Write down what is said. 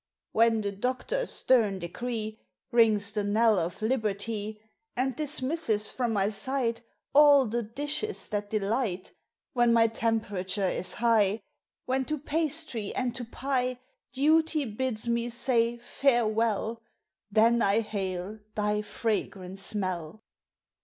_) When the doctor's stern decree Rings the knell of libertee, And dismisses from my sight All the dishes that delight; When my temperature is high When to pastry and to pie Duty bids me say farewell, Then I hail thy fragrant smell!